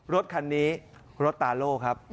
รถคันนี้รถตาโล่ครับ